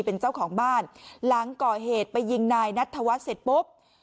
เป็นเจ้าของบ้านหลังก่อเหตุไปยิงนายนัทธวัฒน์เสร็จปุ๊บ